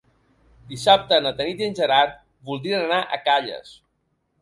Dissabte na Tanit i en Gerard voldrien anar a Calles.